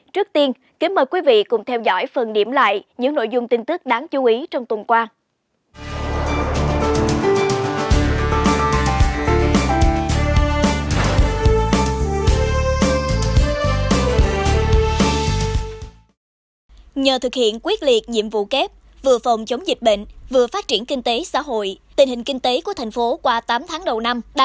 trước tiên kính mời quý vị cùng theo dõi phần điểm lại những nội dung tin tức đáng chú ý trong tuần qua